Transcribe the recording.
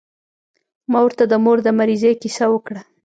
ما ورته د مور د مريضۍ کيسه وکړه.